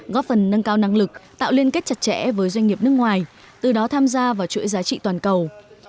góp phần nâng cao năng lực tạo liên kết chặt chẽ với doanh nghiệp nước ngoài từ đó tham gia vào chuỗi giá trị toàn cầu